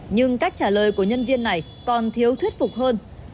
nhưng cách trả lời của nhân viên này còn thiếu thuyết phục hơn